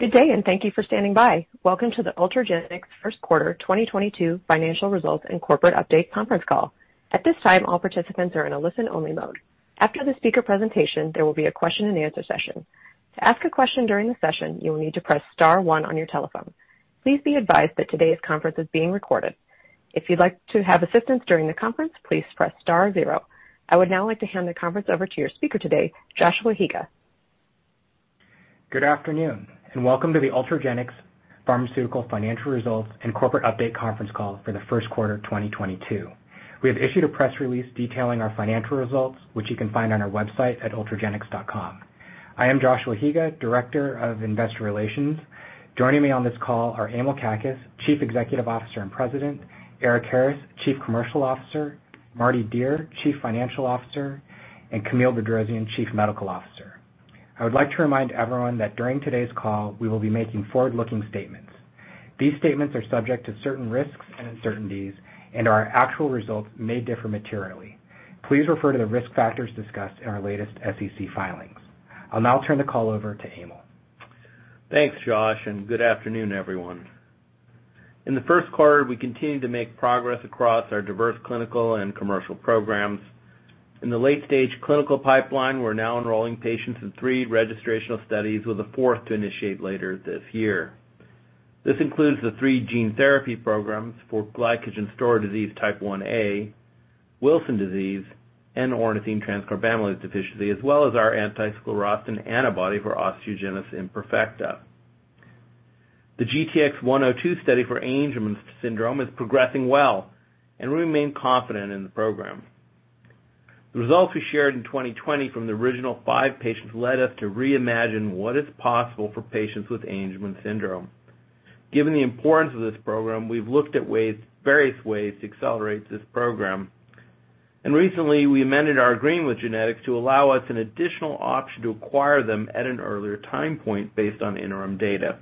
Good day, and thank you for standing by. Welcome to the Ultragenyx First Quarter 2022 Financial Results and Corporate Update Conference Call. At this time, all participants are in a listen-only mode. After the speaker presentation, there will be a question-and-answer session. To ask a question during the session, you will need to press star one on your telephone. Please be advised that today's conference is being recorded. If you'd like to have assistance during the conference, please press star zero. I would now like to hand the conference over to your speaker today, Joshua Higa. Good afternoon, and welcome to the Ultragenyx Pharmaceutical Financial Results and Corporate Update Conference Call for the First Quarter of 2022. We have issued a press release detailing our financial results, which you can find on our website at ultragenyx.com. I am Joshua Higa, Director of Investor Relations. Joining me on this call are Emil Kakkis, Chief Executive Officer and President, Erik Harris, Chief Commercial Officer, Mardi Dier, Chief Financial Officer, and Camille Bedrosian, Chief Medical Officer. I would like to remind everyone that during today's call we will be making forward-looking statements. These statements are subject to certain risks and uncertainties, and our actual results may differ materially. Please refer to the risk factors discussed in our latest SEC filings. I'll now turn the call over to Emil. Thanks, Josh, and good afternoon, everyone. In the first quarter, we continued to make progress across our diverse clinical and commercial programs. In the late-stage clinical pipeline, we're now enrolling patients in three registrational studies with a fourth to initiate later this year. This includes the three gene therapy programs for glycogen storage disease type 1a, Wilson disease, and ornithine transcarbamylase deficiency, as well as our anti-sclerostin antibody for osteogenesis imperfecta. The GTX-102 study for Angelman syndrome is progressing well and we remain confident in the program. The results we shared in 2020 from the original five patients led us to reimagine what is possible for patients with Angelman syndrome. Given the importance of this program, we've looked at ways, various ways to accelerate this program. Recently we amended our agreement with GeneTx to allow us an additional option to acquire them at an earlier time point based on interim data.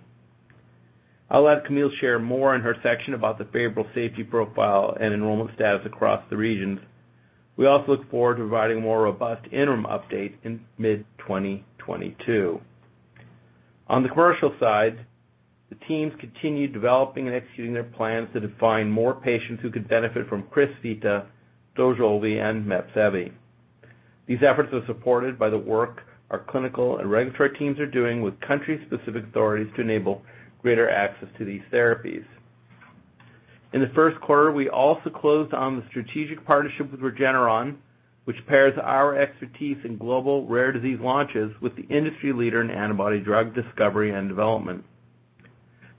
I'll let Camille share more in her section about the favorable safety profile and enrollment status across the regions. We also look forward to providing a more robust interim update in mid-2022. On the commercial side, the teams continue developing and executing their plans to define more patients who could benefit from Crysvita, Dojolvi, and Mepsevii. These efforts are supported by the work our clinical and regulatory teams are doing with country-specific authorities to enable greater access to these therapies. In the first quarter, we also closed on the strategic partnership with Regeneron, which pairs our expertise in global rare disease launches with the industry leader in antibody drug discovery and development.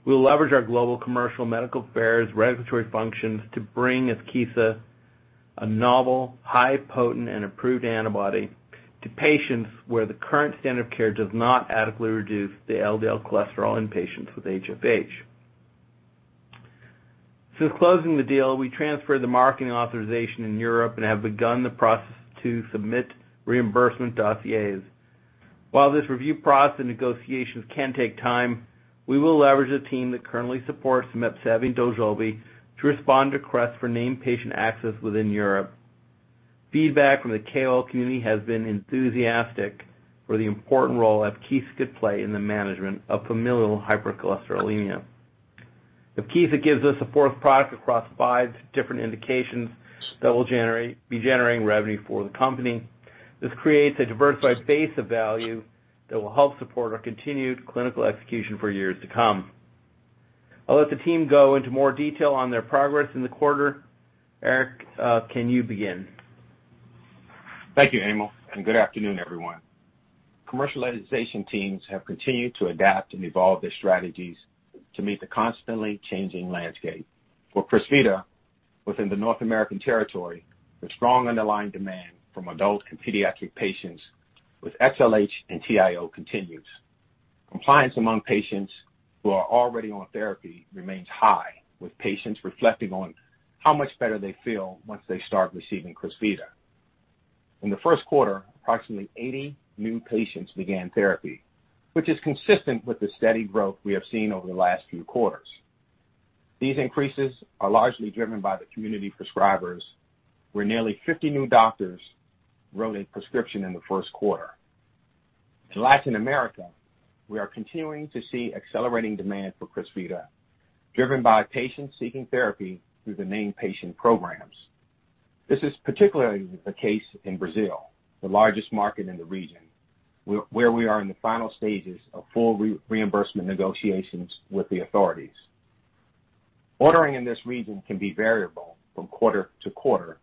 We'll leverage our global commercial medical affairs regulatory functions to bring Evkeeza, a novel, highly potent, and approved antibody to patients where the current standard of care does not adequately reduce the LDL cholesterol in patients with HoFH. Since closing the deal, we transferred the marketing authorization in Europe and have begun the process to submit reimbursement dossiers. While this review process and negotiations can take time, we will leverage the team that currently supports Mepsevii and Dojolvi to respond to requests for named patient access within Europe. Feedback from the KOL community has been enthusiastic for the important role Evkeeza could play in the management of familial hypercholesterolemia. Evkeeza gives us a fourth product across five different indications that will be generating revenue for the company. This creates a diversified base of value that will help support our continued clinical execution for years to come. I'll let the team go into more detail on their progress in the quarter. Erik, can you begin? Thank you, Emil, and good afternoon, everyone. Commercialization teams have continued to adapt and evolve their strategies to meet the constantly changing landscape. For Crysvita, within the North American territory, the strong underlying demand from adult and pediatric patients with XLH and TIO continues. Compliance among patients who are already on therapy remains high, with patients reflecting on how much better they feel once they start receiving Crysvita. In the first quarter, approximately 80 new patients began therapy, which is consistent with the steady growth we have seen over the last few quarters. These increases are largely driven by the community prescribers, where nearly 50 new doctors wrote a prescription in the first quarter. In Latin America, we are continuing to see accelerating demand for Crysvita, driven by patients seeking therapy through the named patient programs. This is particularly the case in Brazil, the largest market in the region, where we are in the final stages of full reimbursement negotiations with the authorities. Ordering in this region can be variable from quarter to quarter,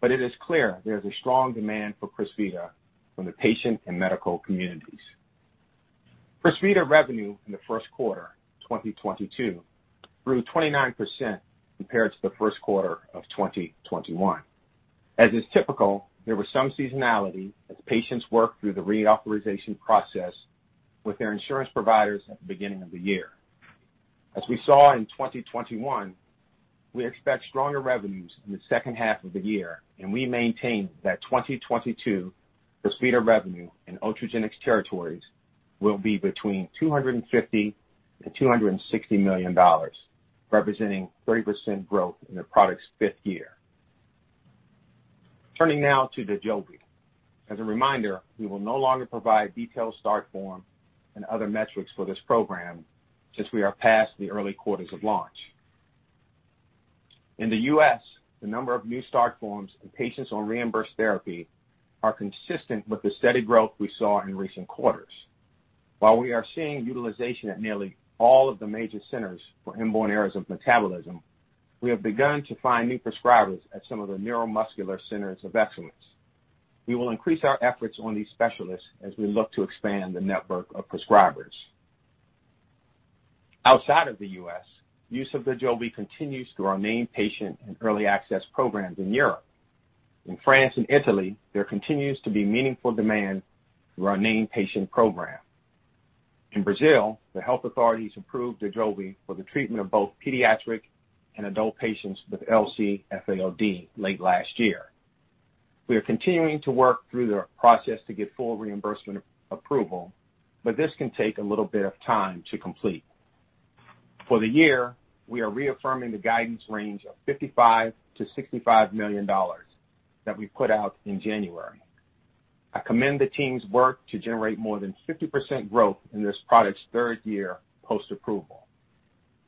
but it is clear there is a strong demand for Crysvita from the patient and medical communities. Crysvita revenue in the first quarter 2022 grew 29% compared to the first quarter of 2021. As is typical, there was some seasonality as patients worked through the reauthorization process with their insurance providers at the beginning of the year. As we saw in 2021, we expect stronger revenues in the second half of the year, and we maintain that 2022 Crysvita revenue in Ultragenyx territories will be between $250 million and $260 million, representing 30% growth in the product's fifth year. Turning now to Dojolvi. As a reminder, we will no longer provide detailed start form and other metrics for this program since we are past the early quarters of launch. In the U.S., the number of new start forms and patients on reimbursed therapy are consistent with the steady growth we saw in recent quarters. While we are seeing utilization at nearly all of the major centers for inborn errors of metabolism, we have begun to find new prescribers at some of the neuromuscular centers of excellence. We will increase our efforts on these specialists as we look to expand the network of prescribers. Outside of the U.S., use of Dojolvi continues through our named patient and early access programs in Europe. In France and Italy, there continues to be meaningful demand through our named patient program. In Brazil, the health authorities approved Dojolvi for the treatment of both pediatric and adult patients with LC-FAOD late last year. We are continuing to work through the process to get full reimbursement approval, but this can take a little bit of time to complete. For the year, we are reaffirming the guidance range of $55 million-$65 million that we put out in January. I commend the team's work to generate more than 50% growth in this product's third year post-approval.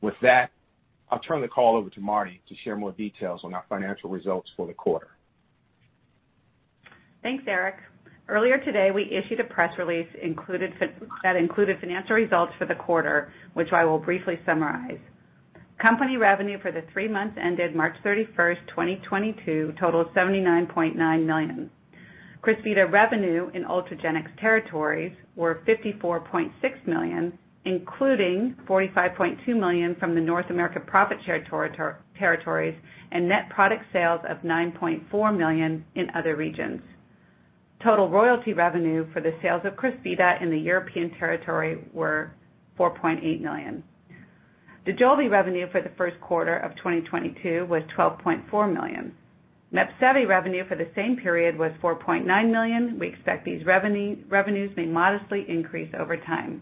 With that, I'll turn the call over to Mardi to share more details on our financial results for the quarter. Thanks, Erik. Earlier today, we issued a press release that included financial results for the quarter, which I will briefly summarize. Company revenue for the three months ended March 31, 2022, totaled $79.9 million. Crysvita revenue in Ultragenyx territories was $54.6 million, including $45.2 million from the North America profit share territories and net product sales of $9.4 million in other regions. Total royalty revenue for the sales of Crysvita in the European territory was $4.8 million. Dojolvi revenue for the first quarter of 2022 was $12.4 million. Mepsevii revenue for the same period was $4.9 million. We expect these revenues may modestly increase over time.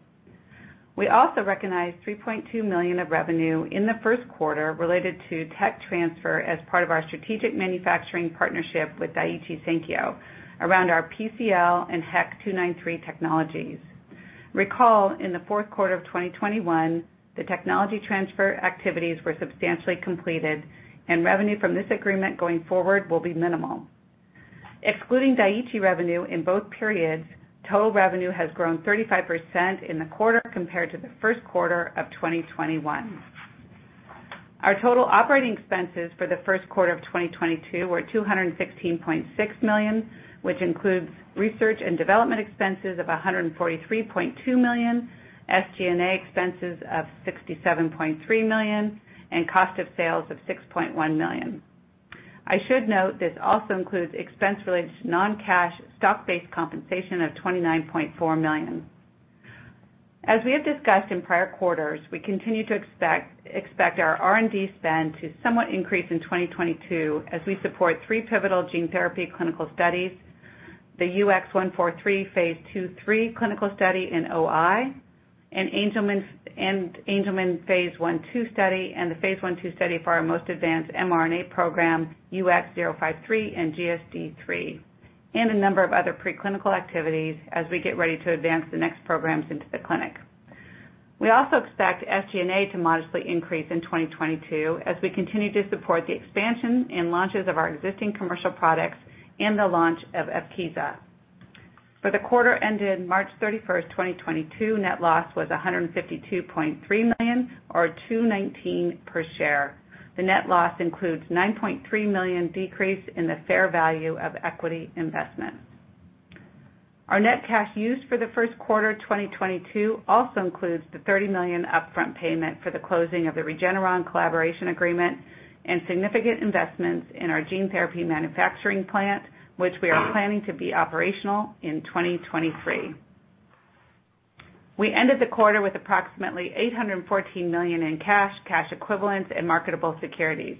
We also recognized $3.2 million of revenue in the first quarter related to tech transfer as part of our strategic manufacturing partnership with Daiichi Sankyo around our PCL and HEK293 technologies. Recall, in the fourth quarter of 2021, the technology transfer activities were substantially completed and revenue from this agreement going forward will be minimal. Excluding Daiichi revenue in both periods, total revenue has grown 35% in the quarter compared to the first quarter of 2021. Our total operating expenses for the first quarter of 2022 were $216.6 million, which includes research and development expenses of $143.2 million, SG&A expenses of $67.3 million, and cost of sales of $6.1 million. I should note this also includes expense-related non-cash stock-based compensation of $29.4 million. As we have discussed in prior quarters, we continue to expect our R&D spend to somewhat increase in 2022 as we support three pivotal gene therapy clinical studies, the UX143 phase II/III clinical study in OI, and the Angelman phase I/II study, and the phase I/II study for our most advanced mRNA program, UX053 and GSD III, and a number of other preclinical activities as we get ready to advance the next programs into the clinic. We also expect SG&A to modestly increase in 2022 as we continue to support the expansion and launches of our existing commercial products and the launch of Evkeeza. For the quarter ended March 31, 2022, net loss was $152.3 million or $2.19 per share. The net loss includes $9.3 million decrease in the fair value of equity investment. Our net cash used for the first quarter 2022 also includes the $30 million upfront payment for the closing of the Regeneron collaboration agreement and significant investments in our gene therapy manufacturing plant, which we are planning to be operational in 2023. We ended the quarter with approximately $814 million in cash equivalents, and marketable securities.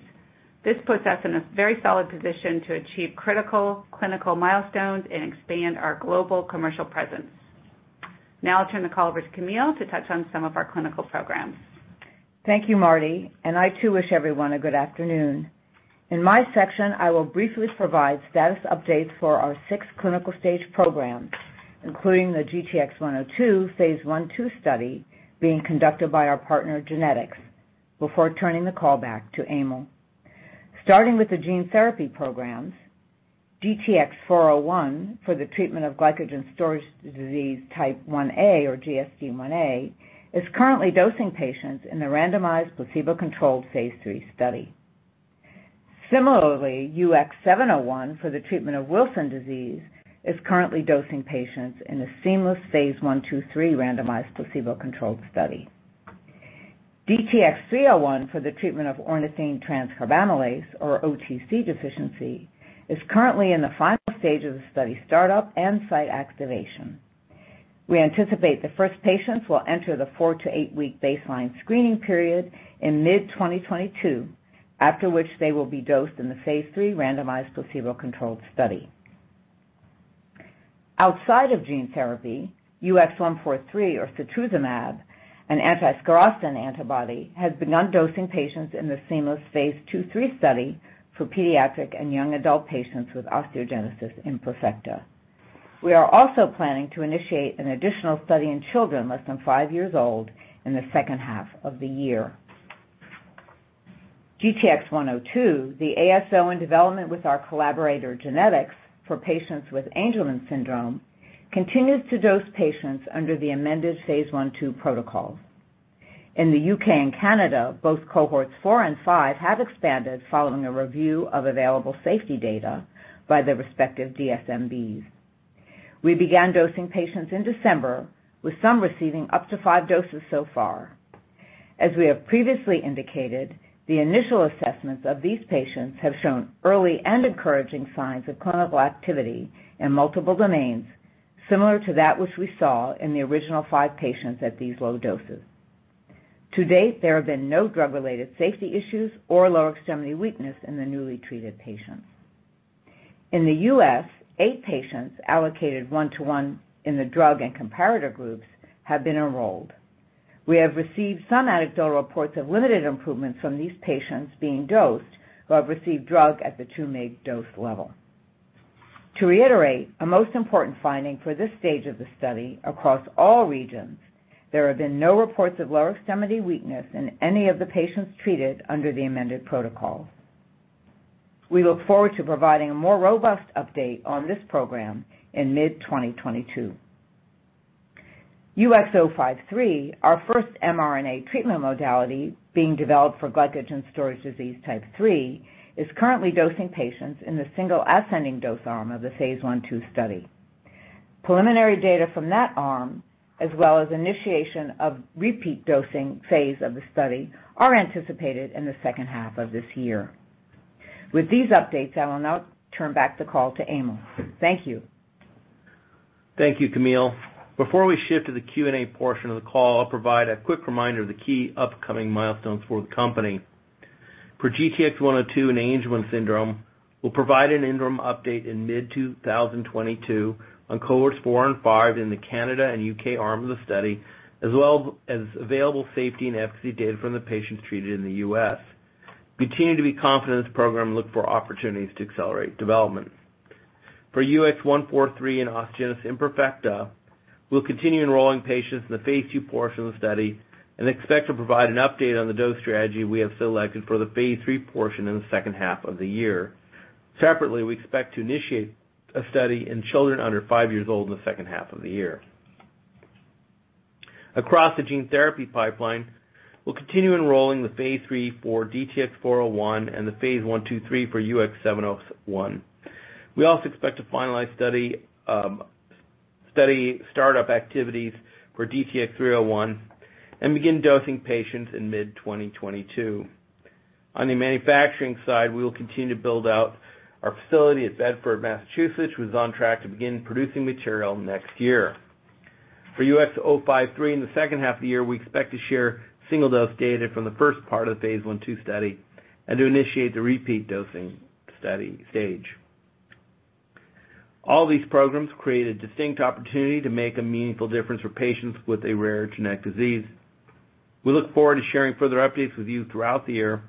This puts us in a very solid position to achieve critical clinical milestones and expand our global commercial presence. Now I'll turn the call over to Camille to touch on some of our clinical programs. Thank you, Mardi, and I too wish everyone a good afternoon. In my section, I will briefly provide status updates for our six clinical stage programs, including the GTX-102 phase I/II study being conducted by our partner, GeneTx, before turning the call back to Emil. Starting with the gene therapy programs, DTX-401 for the treatment of glycogen storage disease type 1a or GSD1a, is currently dosing patients in a randomized placebo-controlled phase III study. Similarly, UX701 for the treatment of Wilson disease is currently dosing patients in a seamless phase I/II/III randomized placebo-controlled study. DTX-301 for the treatment of ornithine transcarbamylase or OTC deficiency, is currently in the final stage of the study startup and site activation. We anticipate the first patients will enter the four- to eight-week baseline screening period in mid-2022, after which they will be dosed in the phase III randomized placebo-controlled study. Outside of gene therapy, UX143 or setrusumab, an anti-sclerostin antibody, has begun dosing patients in the seamless phase II/III study for pediatric and young adult patients with osteogenesis imperfecta. We are also planning to initiate an additional study in children less than five years old in the second half of the year. GTX-102, the ASO in development with our collaborator, GeneTx, for patients with Angelman syndrome, continues to dose patients under the amended phase I/II protocol. In the U.K. and Canada, both cohorts 4 and 5 have expanded following a review of available safety data by the respective DSMBs. We began dosing patients in December, with some receiving up to five doses so far. As we have previously indicated, the initial assessments of these patients have shown early and encouraging signs of clinical activity in multiple domains, similar to that which we saw in the original five patients at these low doses. To date, there have been no drug-related safety issues or lower extremity weakness in the newly treated patients. In the U.S., eight patients allocated 1-to-1 in the drug and comparator groups have been enrolled. We have received some anecdotal reports of limited improvements from these patients being dosed who have received drug at the 2 mg dose level. To reiterate, a most important finding for this stage of the study across all regions, there have been no reports of lower extremity weakness in any of the patients treated under the amended protocol. We look forward to providing a more robust update on this program in mid-2022. UX053, our first mRNA treatment modality being developed for Glycogen Storage Disease Type III, is currently dosing patients in the single ascending dose arm of the phase I/II study. Preliminary data from that arm, as well as initiation of repeat dosing phase of the study, are anticipated in the second half of this year. With these updates, I will now turn back the call to Emil. Thank you. Thank you, Camille. Before we shift to the Q&A portion of the call, I'll provide a quick reminder of the key upcoming milestones for the company. For GTX-102 in Angelman syndrome, we'll provide an interim update in mid-2022 on cohorts 4 and 5 in the Canada and U.K. arm of the study, as well as available safety and efficacy data from the patients treated in the U.S. We continue to be confident in this program and look for opportunities to accelerate development. For UX143 in osteogenesis imperfecta, we'll continue enrolling patients in the phase II portion of the study and expect to provide an update on the dose strategy we have selected for the phase III portion in the second half of the year. Separately, we expect to initiate a study in children under five years old in the second half of the year. Across the gene therapy pipeline, we'll continue enrolling the phase III for DTX401 and the phase I/II/III for UX701. We also expect to finalize study startup activities for DTX301 and begin dosing patients in mid-2022. On the manufacturing side, we will continue to build out our facility at Bedford, Massachusetts, which is on track to begin producing material next year. For UX053 in the second half of the year, we expect to share single-dose data from the first part of the phase I/II study and to initiate the repeat dosing study stage. All these programs create a distinct opportunity to make a meaningful difference for patients with a rare genetic disease. We look forward to sharing further updates with you throughout the year.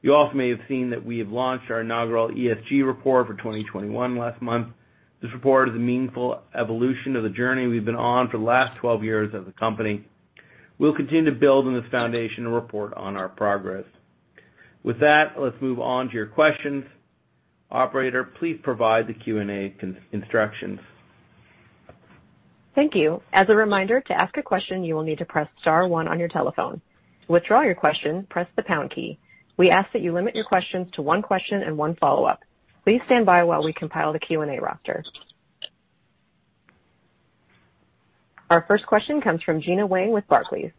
You also may have seen that we have launched our inaugural ESG report for 2021 last month. This report is a meaningful evolution of the journey we've been on for the last 12 years as a company. We'll continue to build on this foundation and report on our progress. With that, let's move on to your questions. Operator, please provide the Q&A instructions. Thank you. As a reminder, to ask a question, you will need to press star one on your telephone. To withdraw your question, press the pound key. We ask that you limit your questions to one question and one follow-up. Please stand by while we compile the Q&A roster. Our first question comes from Gena Wang with Barclays.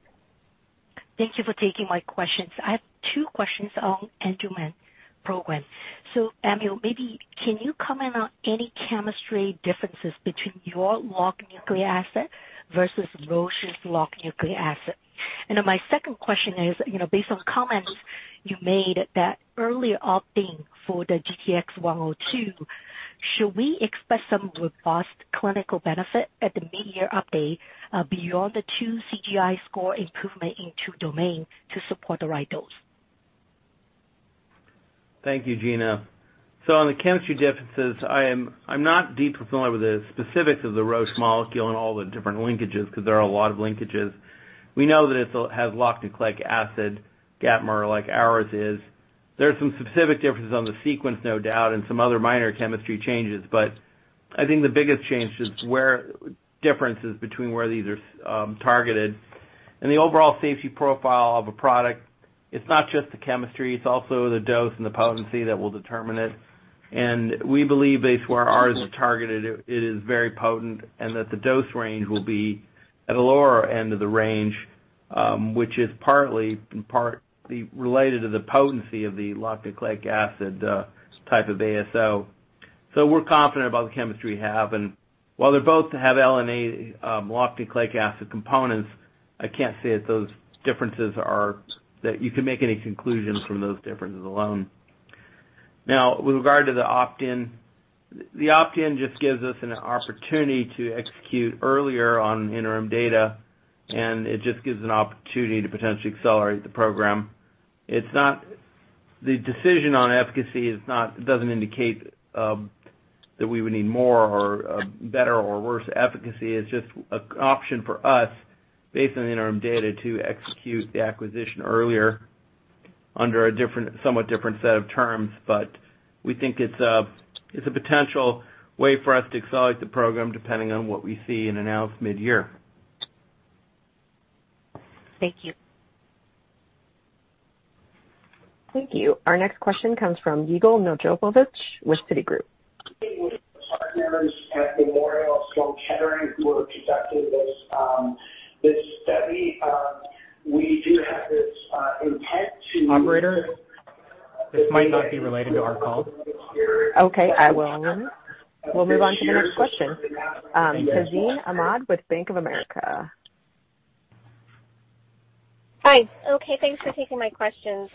Thank you for taking my questions. I have two questions on Angelman program. Emil, maybe can you comment on any chemistry differences between your locked nucleic acid versus Roche's locked nucleic acid? My second question is, you know, based on comments you made that early dosing for the GTX-102, should we expect some robust clinical benefit at the mid-year update, beyond the two CGI score improvement in two domain to support the right dose? Thank you, Gena. On the chemistry differences, I'm not deeply familiar with the specifics of the Roche molecule and all the different linkages because there are a lot of linkages. We know that it's a locked nucleic acid gapmer like ours is. There are some specific differences on the sequence, no doubt, and some other minor chemistry changes. I think the biggest difference is between where these are targeted. The overall safety profile of a product, it's not just the chemistry, it's also the dose and the potency that will determine it. We believe based where ours is targeted, it is very potent and that the dose range will be at a lower end of the range, which is partly, in part related to the potency of the locked nucleic acid type of ASO. We're confident about the chemistry we have. While they both have LNA, locked nucleic acid components, I can't say that those differences that you can make any conclusions from those differences alone. Now, with regard to the opt-in, the opt-in just gives us an opportunity to execute earlier on interim data, and it just gives an opportunity to potentially accelerate the program. The decision on efficacy is not, it doesn't indicate, that we would need more or better or worse efficacy. It's just an option for us based on the interim data to execute the acquisition earlier under a different, somewhat different set of terms. We think it's a potential way for us to accelerate the program depending on what we see in and out mid-year. Thank you. Thank you. Our next question comes from Yigal Nochomovitz with Citigroup. With partners at Memorial Sloan Kettering Cancer Center who have conducted this study, we do have this intent to. Operator, this might not be related to our call. We'll move on to the next question. Tazeen Ahmad with Bank of America. Hi. Okay, thanks for taking my questions.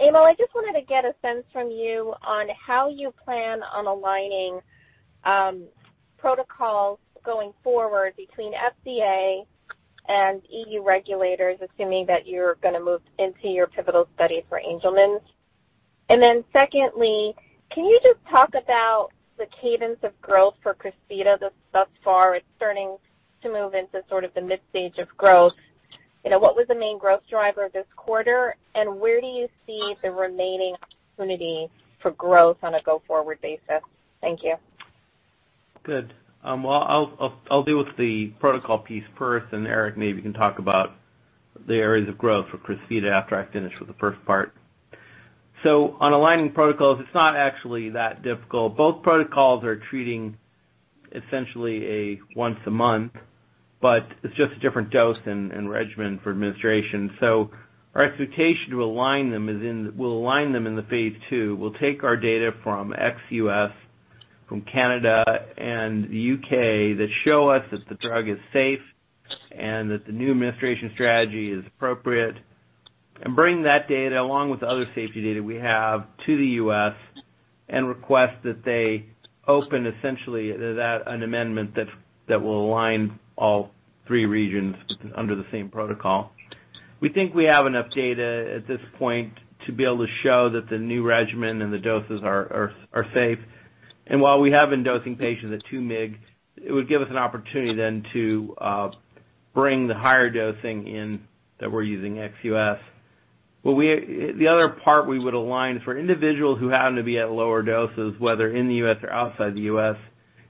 Emil, I just wanted to get a sense from you on how you plan on aligning protocols going forward between FDA and EU regulators, assuming that you're gonna move into your pivotal study for Angelman. Secondly, can you just talk about the cadence of growth for Crysvita thus far? It's starting to move into sort of the mid-stage of growth. You know, what was the main growth driver this quarter, and where do you see the remaining opportunity for growth on a go-forward basis? Thank you. Good. Well, I'll deal with the protocol piece first, then Erik maybe can talk about the areas of growth for Crysvita after I finish with the first part. On aligning protocols, it's not actually that difficult. Both protocols are treating essentially a once a month, but it's just a different dose and regimen for administration. Our expectation to align them is we'll align them in the phase II. We'll take our data from ex-U.S., from Canada and the U.K. that show us that the drug is safe and that the new administration strategy is appropriate, and bring that data along with the other safety data we have to the U.S. and request that they open essentially that, an amendment that will align all three regions under the same protocol. We think we have enough data at this point to be able to show that the new regimen and the doses are safe. While we have been dosing patients at 2 mg, it would give us an opportunity then to bring the higher dosing in that we're using ex U.S. The other part we would align is for individuals who happen to be at lower doses, whether in the U.S. or outside the U.S.,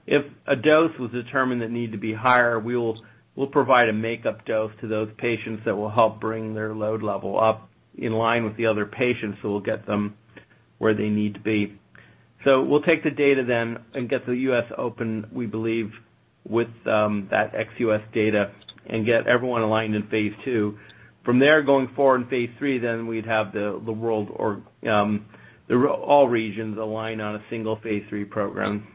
if a dose was determined that need to be higher, we'll provide a make up dose to those patients that will help bring their load level up in line with the other patients, so we'll get them where they need to be. We'll take the data then and get the U.S. open, we believe, with that ex-U.S. data and get everyone aligned in phase II. From there, going forward in phase III, then we'd have all regions aligned on a single phase III program.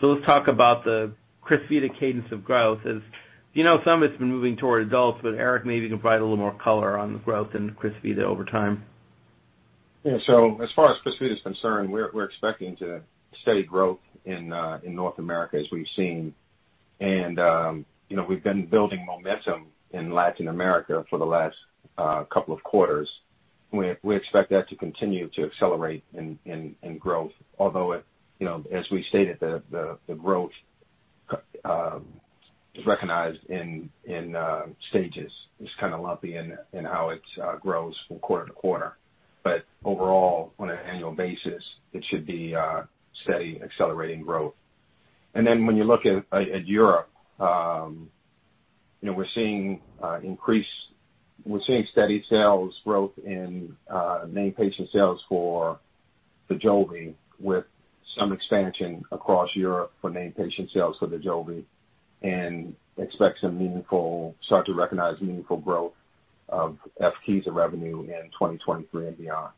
Let's talk about the Crysvita cadence of growth. As you know, some of it's been moving toward adults, but Erik maybe can provide a little more color on the growth in Crysvita over time. Yeah. As far as Crysvita is concerned, we're expecting to see steady growth in North America as we've seen. You know, we've been building momentum in Latin America for the last couple of quarters. We expect that to continue to accelerate in growth. Although it, you know, as we stated, the growth is recognized in stages. It's kinda lumpy in how it grows from quarter to quarter. Overall, on an annual basis, it should be steady accelerating growth. When you look at Europe, we're seeing steady sales growth in named patient sales for Dojolvi with some expansion across Europe for named patient sales for Dojolvi, and expect to start to recognize meaningful growth of Evkeeza revenue in 2023 and beyond.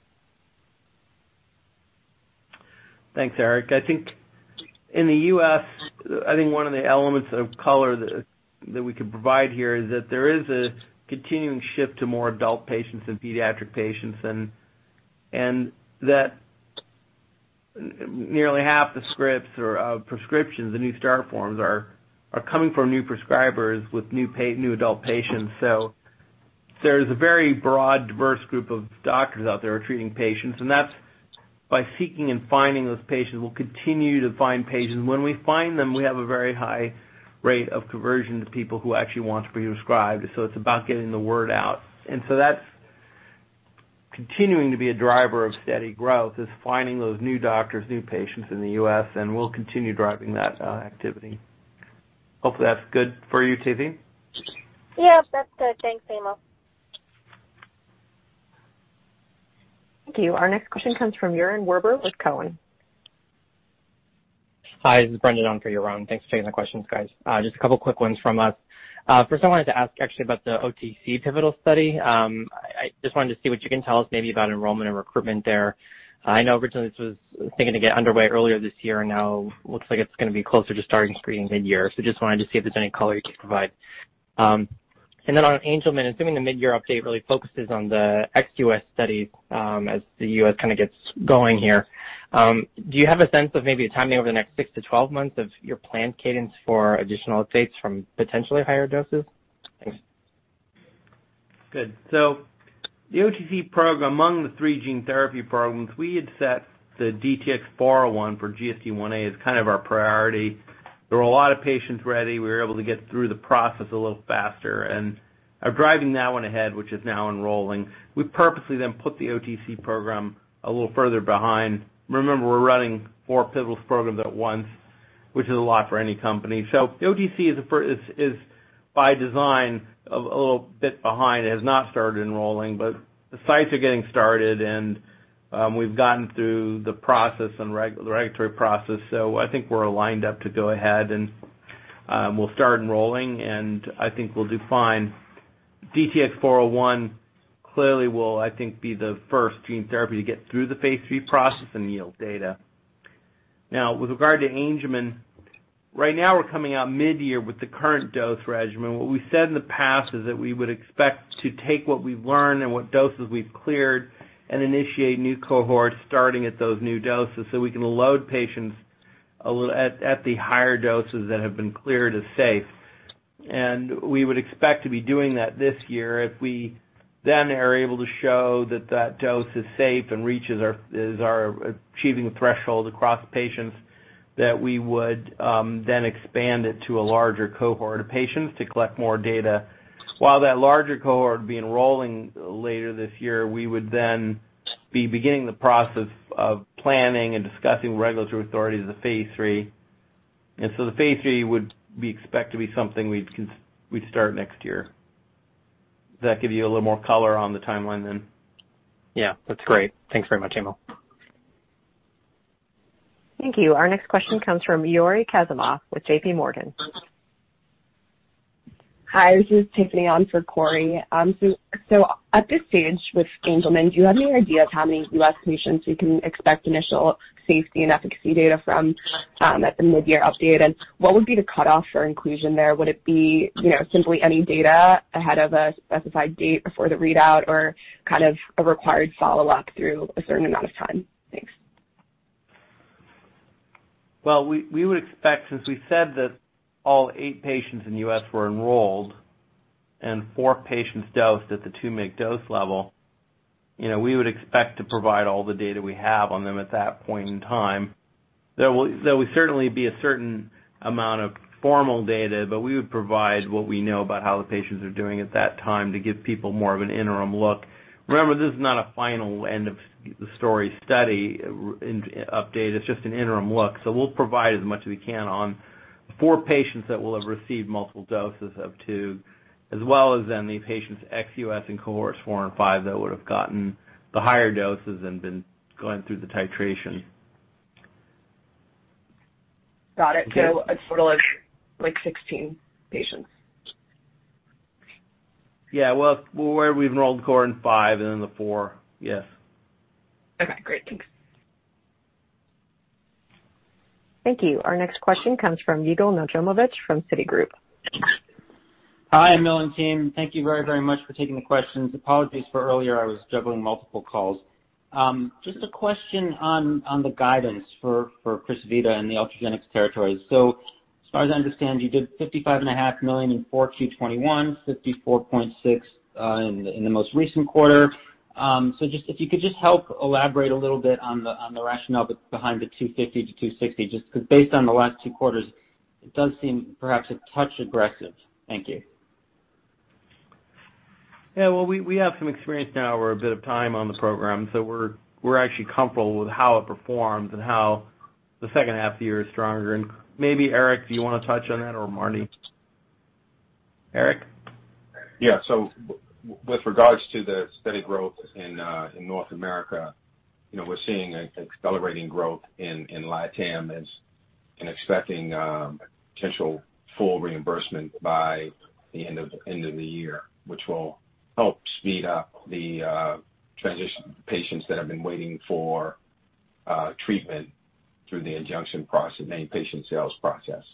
Thanks, Erik. I think in the U.S., I think one of the elements of color that we could provide here is that there is a continuing shift to more adult patients than pediatric patients, and that nearly half the scripts or prescriptions, the new start forms are coming from new prescribers with new adult patients. There's a very broad, diverse group of doctors out there who are treating patients. That's by seeking and finding those patients. We'll continue to find patients. When we find them, we have a very high rate of conversion to people who actually want to be prescribed, so it's about getting the word out. That's continuing to be a driver of steady growth, is finding those new doctors, new patients in the U.S., and we'll continue driving that activity. Hopefully that's good for you, Tazeen. Yeah. That's good. Thanks, Emil. Thank you. Our next question comes from Yaron Werber with Cowen. Hi. This is Brendan on for Yaron. Thanks for taking the questions, guys. Just a couple quick ones from us. First I wanted to ask actually about the OTC pivotal study. I just wanted to see what you can tell us maybe about enrollment and recruitment there. I know originally this was thinking to get underway earlier this year, and now looks like it's gonna be closer to starting screening mid-year. Just wanted to see if there's any color you could provide. On Angelman, assuming the mid-year update really focuses on the ex-U.S. studies, as the U.S. kind of gets going here, do you have a sense of maybe a timing over the next six to 12 months of your planned cadence for additional updates from potentially higher doses? Thanks. Good. The OTC program, among the three gene therapy programs, we had set the DTX-401 for GSD1A as kind of our priority. There were a lot of patients ready. We were able to get through the process a little faster and are driving that one ahead, which is now enrolling. We purposely then put the OTC program a little further behind. Remember, we're running four pivotal programs at once, which is a lot for any company. The OTC is by design a little bit behind. It has not started enrolling, but the sites are getting started and we've gotten through the process and regulatory process. I think we're lined up to go ahead and we'll start enrolling, and I think we'll do fine. DTX-401 clearly will, I think, be the first gene therapy to get through the phase III process and yield data. Now, with regard to Angelman, right now we're coming out mid-year with the current dose regimen. What we said in the past is that we would expect to take what we've learned and what doses we've cleared and initiate new cohorts starting at those new doses, so we can load patients a little at the higher doses that have been cleared as safe. We would expect to be doing that this year. If we then are able to show that that dose is safe and is our achieving threshold across patients, that we would then expand it to a larger cohort of patients to collect more data. While that larger cohort would be enrolling later this year, we would then be beginning the process of planning and discussing regulatory authorities of the phase III. The phase III would be expected to be something we'd start next year. Does that give you a little more color on the timeline then? Yeah, that's great. Thanks very much, Emil. Thank you. Our next question comes from Cory Kasimov with JPMorgan. Hi, this is Tiffany on for Cory. So at this stage with Angelman, do you have any idea of how many U.S. patients you can expect initial safety and efficacy data from, at the mid-year update? What would be the cutoff for inclusion there? Would it be, you know, simply any data ahead of a specified date before the readout or kind of a required follow-up through a certain amount of time? Thanks. Well, we would expect, since we said that all eight patients in the U.S. were enrolled and four patients dosed at the 2 mg dose level, you know, we would expect to provide all the data we have on them at that point in time. There would certainly be a certain amount of formal data, but we would provide what we know about how the patients are doing at that time to give people more of an interim look. Remember, this is not a final end of the story study update, it's just an interim look. We'll provide as much as we can on four patients that will have received multiple doses of 2 mg, as well as then the patients ex-U.S. in cohorts 4 and 5 that would've gotten the higher doses and been going through the titration. Got it. Okay. A total of like 16 patients. Yeah, well, where we've enrolled in Cohort 5 and then the 4. Yes. Okay, great. Thanks. Thank you. Our next question comes from Yigal Nochomovitz from Citigroup. Hi, Emil and team. Thank you very, very much for taking the questions. Apologies for earlier, I was juggling multiple calls. Just a question on the guidance for Crysvita in the Ultragenyx territories. As far as I understand, you did $55.5 million in 4Q 2021, $54.6 million in the most recent quarter. Just if you could help elaborate a little bit on the rationale behind the $250 million-$260 million, just 'cause based on the last two quarters, it does seem perhaps a touch aggressive. Thank you. Yeah, well, we have some experience now or a bit of time on the program, so we're actually comfortable with how it performs and how the second half of the year is stronger. Maybe Erik, do you wanna touch on that or Mardi? Erik? Yeah. With regards to the steady growth in North America, you know, we're seeing an accelerating growth in LatAm and expecting potential full reimbursement by the end of the year, which will help speed up the transition patients that have been waiting for treatment through the injunction process, name patient sales process.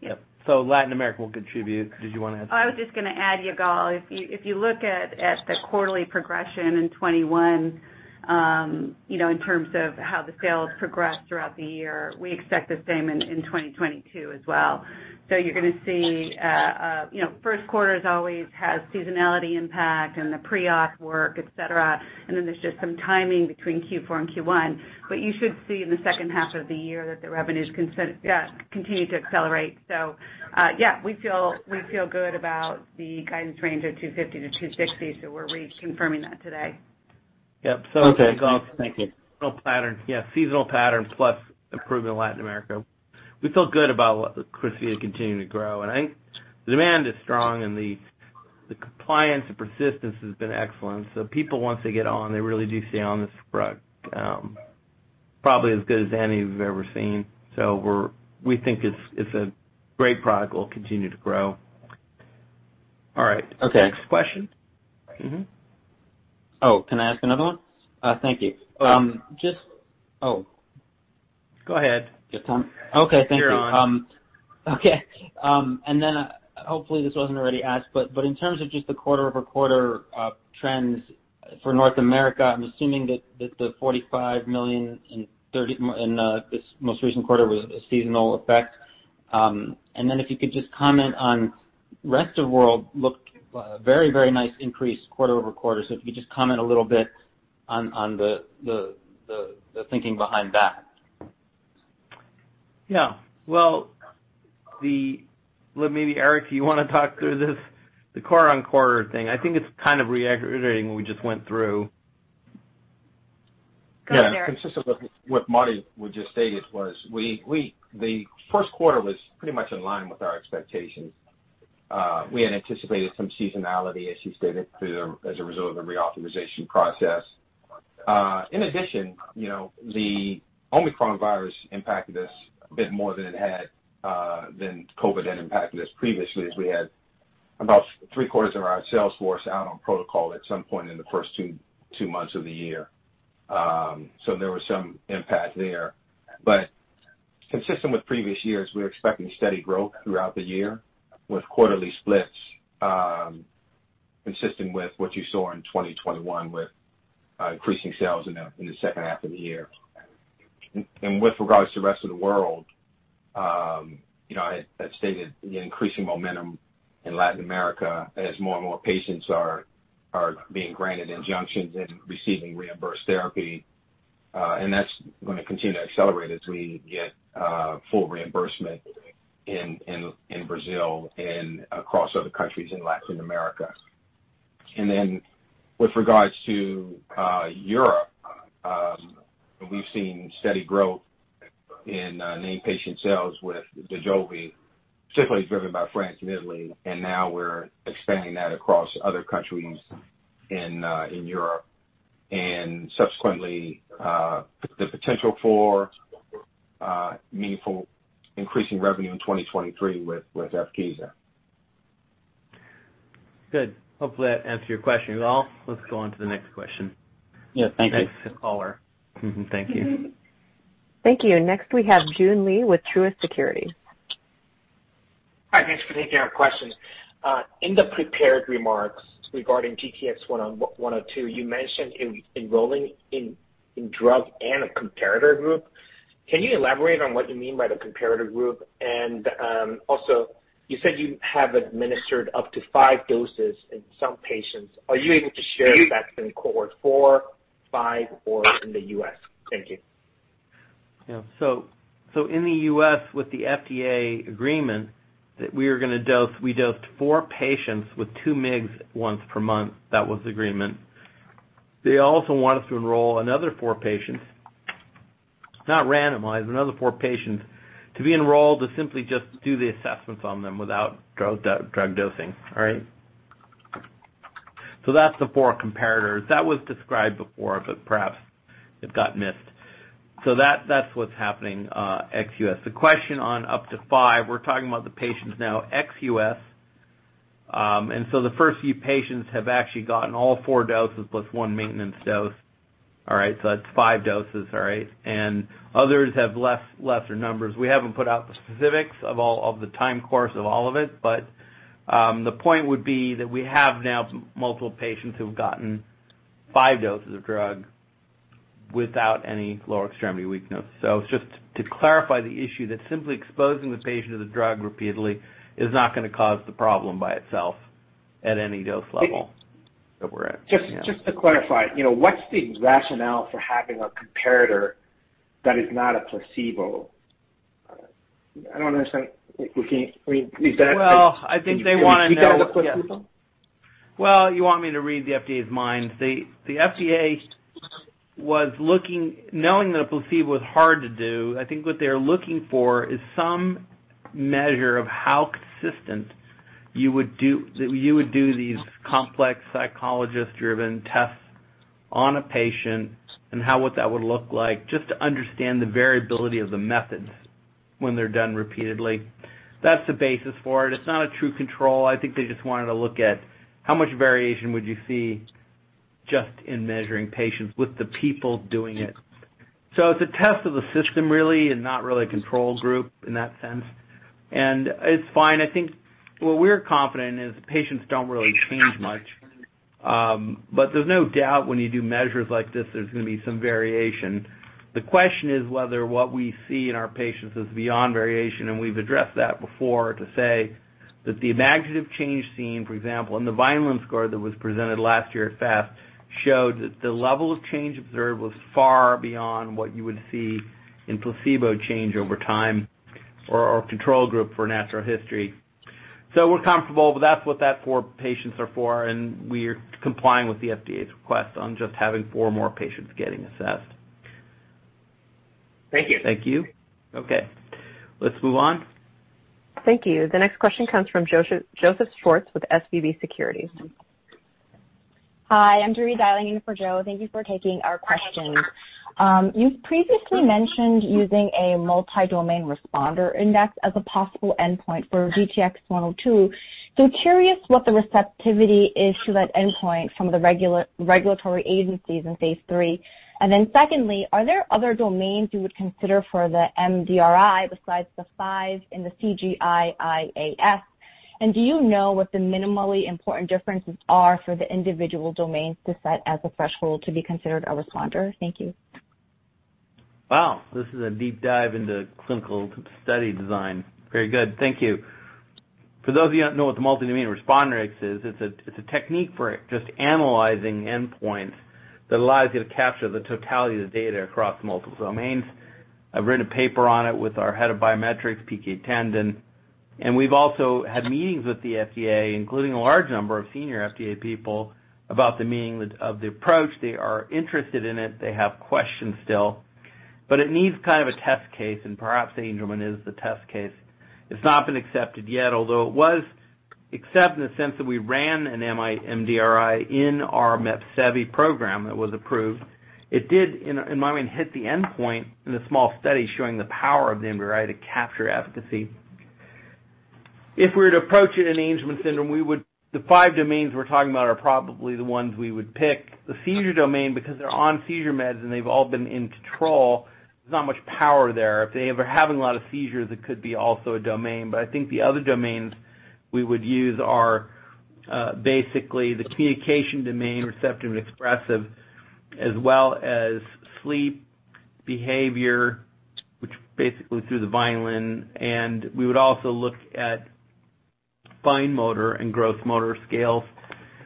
Yep. Latin America will contribute. Did you wanna add something? I was just gonna add, Yigal, if you look at the quarterly progression in 2021, you know, in terms of how the sales progressed throughout the year, we expect the same in 2022 as well. You're gonna see, you know, first quarter always has seasonality impact and the prep work, et cetera. Then there's just some timing between Q4 and Q1. You should see in the second half of the year that the revenues continue, yeah, continue to accelerate. Yeah, we feel good about the guidance range of $250-$260, so we're reconfirming that today. Yep. Okay. Thank you. Real pattern. Yeah, seasonal patterns plus improvement in Latin America. We feel good about what Crysvita continuing to grow. I think the demand is strong and the compliance and persistence has been excellent. People, once they get on, they really do stay on this drug, probably as good as any we've ever seen. We think it's a great product, will continue to grow. All right. Okay. Next question. Mm-hmm. Oh, can I ask another one? Thank you. Oh. Oh. Go ahead. You have time? Okay. Thank you. You're on. Okay. Hopefully this wasn't already asked, but in terms of just the quarter-over-quarter trends for North America, I'm assuming that the $45 million in this most recent quarter was a seasonal effect. If you could just comment on, rest of world looked very, very nice increase quarter-over-quarter. If you could just comment a little bit on the thinking behind that. Yeah. Well, maybe Erik, you wanna talk through this, the quarter-over-quarter thing? I think it's kind of reiterating what we just went through. Go ahead, Erik. Yeah. Consistent with what Mardi was just stating, the first quarter was pretty much in line with our expectations. We had anticipated some seasonality, as you stated, as a result of the reoptimization process. In addition, you know, the Omicron virus impacted us a bit more than it had than COVID had impacted us previously, as we had about three-quarters of our sales force out on protocol at some point in the first two months of the year. There was some impact there. Consistent with previous years, we're expecting steady growth throughout the year with quarterly splits, consistent with what you saw in 2021 with increasing sales in the second half of the year. With regards to the rest of the world, you know, I had stated the increasing momentum in Latin America as more and more patients are being granted injunctions and receiving reimbursed therapy, and that's gonna continue to accelerate as we get full reimbursement in Brazil and across other countries in Latin America. Then with regards to Europe, we've seen steady growth in named patient sales with Dojolvi, typically driven by France and Italy, and now we're expanding that across other countries in Europe. Subsequently, the potential for meaningful increasing revenue in 2023 with Evkeeza. Good. Hopefully that answered your question. If not, let's go on to the next question. Yeah. Thank you. Next caller. Thank you. Thank you. Next, we have Joon Lee with Truist Securities. Hi. Thanks for taking our question. In the prepared remarks regarding GTX-102, you mentioned enrolling in a drug and a comparator group. Can you elaborate on what you mean by the comparator group? Also you said you have administered up to five doses in some patients. Are you able to share if that's in cohort 4, 5, or in the U.S.? Thank you. Yeah. In the U.S., with the FDA agreement that we were gonna dose, we dosed four patients with 2 mg once per month. That was the agreement. They also want us to enroll another four patients, not randomized, but another four patients to be enrolled to simply just do the assessments on them without drug dosing. All right. That's the four comparators. That was described before, but perhaps it got missed. That, that's what's happening ex-U.S. The question on up to five, we're talking about the patients now ex-U.S. The first few patients have actually gotten all four doses plus one maintenance dose. All right. That's five doses, all right. Others have lesser numbers. We haven't put out the specifics of all of the time course of all of it, but the point would be that we have now multiple patients who've gotten five doses of drug without any lower extremity weakness. It's just to clarify the issue that simply exposing the patient to the drug repeatedly is not gonna cause the problem by itself at any dose level that we're at. Yeah. Just to clarify, you know, what's the rationale for having a comparator that is not a placebo? I don't understand. I mean, is that- Well, I think they wanna know. Is that a placebo? Well, you want me to read the FDA's mind. The FDA was looking. Knowing that a placebo was hard to do, I think what they were looking for is some measure of how consistent you would do these complex psychologist-driven tests on a patient and how that would look like, just to understand the variability of the methods when they're done repeatedly. That's the basis for it. It's not a true control. I think they just wanted to look at how much variation would you see just in measuring patients with the people doing it. It's a test of the system really and not really a control group in that sense. It's fine. I think what we're confident is patients don't really change much. There's no doubt when you do measures like this, there's gonna be some variation. The question is whether what we see in our patients is beyond variation, and we've addressed that before to say that the impressive change seen, for example, in the Vineland score that was presented last year at FAST showed that the level of change observed was far beyond what you would see in placebo change over time or control group for natural history. We're comfortable, but that's what those four patients are for, and we're complying with the FDA's request on just having four more patients getting assessed. Thank you. Thank you. Okay. Let's move on. Thank you. The next question comes from Joseph Schwartz with SVB Securities. Hi, I'm Julie dialing in for Joe. Thank you for taking our questions. You've previously mentioned using a multi-domain responder index as a possible endpoint for GTX-102. Curious what the receptivity is to that endpoint from the regulatory agencies in phase III. Then secondly, are there other domains you would consider for the MDRI besides the five in the CGI-I-AS? Do you know what the minimally important differences are for the individual domains to set as a threshold to be considered a responder? Thank you. Wow, this is a deep dive into clinical study design. Very good. Thank you. For those of you who don't know what the multi-domain responder index is, it's a technique for just analyzing endpoints that allows you to capture the totality of the data across multiple domains. I've written a paper on it with our head of biometrics, PK Tandon. We've also had meetings with the FDA, including a large number of senior FDA people, about the meaning of the approach. They are interested in it. They have questions still. But it needs kind of a test case, and perhaps Angelman is the test case. It's not been accepted yet, although it was accepted in the sense that we ran an MDRI in our Mepsevii program that was approved. It did, in my mind, hit the endpoint in a small study showing the power of the MDRI to capture efficacy. If we were to approach it in Angelman syndrome, we would the five domains we're talking about are probably the ones we would pick. The seizure domain, because they're on seizure meds, and they've all been in control, there's not much power there. If they were having a lot of seizures, it could be also a domain. But I think the other domains we would use are basically the communication domain, receptive and expressive, as well as sleep behavior, which basically through the Vineland. We would also look at fine motor and gross motor scales.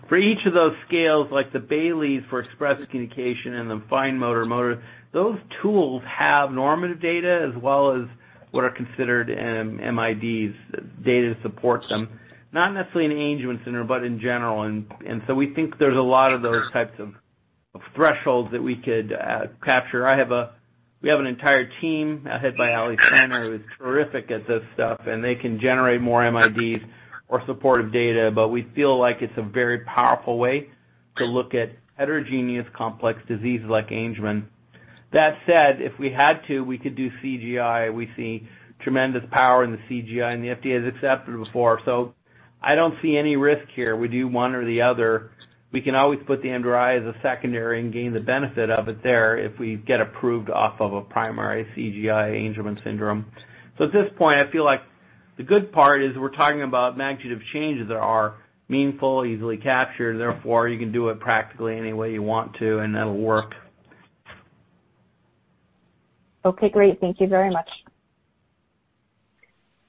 For each of those scales, like the Bayley for expressive communication and the fine motor, those tools have normative data as well as what are considered MIDs, data to support them. Not necessarily in Angelman syndrome, but in general. We think there's a lot of those types of thresholds that we could capture. We have an entire team headed by Ali Turner, who's terrific at this stuff, and they can generate more MIDs or supportive data. We feel like it's a very powerful way to look at heterogeneous complex diseases like Angelman. That said, if we had to, we could do CGI. We see tremendous power in the CGI, and the FDA has accepted it before. I don't see any risk here. We do one or the other. We can always put the MDRI as a secondary and gain the benefit of it there if we get approved off of a primary CGI Angelman syndrome. At this point, I feel like the good part is we're talking about magnitude of changes that are meaningful, easily captured, therefore, you can do it practically any way you want to, and that'll work. Okay, great. Thank you very much.